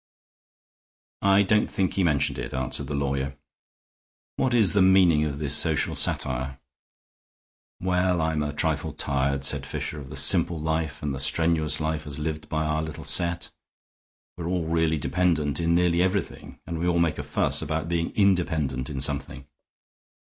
"I don't think he mentioned it," answered the lawyer. "What is the meaning of this social satire?" "Well, I am a trifle tired," said Fisher, "of the Simple Life and the Strenuous Life as lived by our little set. We're all really dependent in nearly everything, and we all make a fuss about being independent in something.